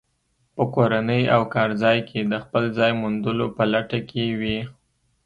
په کورنۍ او کارځای کې د خپل ځای موندلو په لټه کې وي.